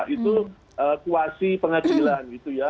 itu kuasi pengadilan gitu ya